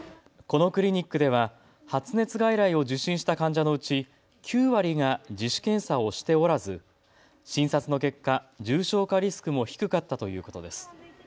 このクリニックでは発熱外来を受診した患者のうち９割が自主検査をしておらず診察の結果、重症化リスクも低かったということです。